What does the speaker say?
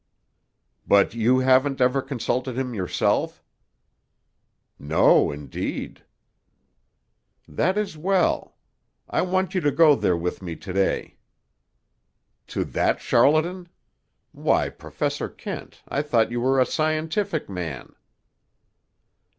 "But you haven't ever consulted him, yourself?" "No, indeed." "That is well. I want you to go there with me to day." "To that charlatan? Why, Professor Kent, I thought you were a scientific man."